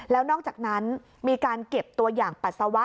แล้วนอกจากนั้นมีการเก็บตัวอย่างปัสสาวะ